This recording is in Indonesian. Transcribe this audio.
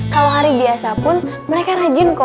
kalau hari biasa pun mereka rajin kok